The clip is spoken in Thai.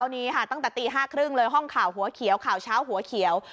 นี้ค่ะตั้งแต่ตี๕๓๐เลยห้องข่าวหัวเขียวข่าวเช้าหัวเขียว